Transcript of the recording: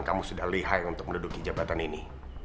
kamu sudah lihai untuk menduduki jabatan ini